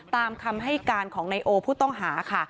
ตามคำให้การของนายโอผู้ต้องหาค่ะ